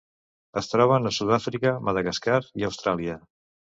Es troben a Sud-àfrica, Madagascar i Austràlia.